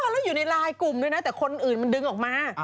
แล้วอยู่ในลายกลุ่มด้วยนะแต่คนอื่นมันดึงออกมา